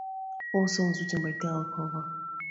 All songs written by Dale Crover.